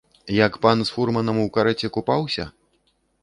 Як пан з фурманом у карэце купаўся?